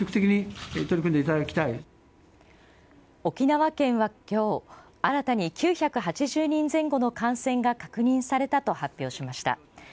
沖縄県は今日新たに９８０人前後の感染が確認されたと発表しました。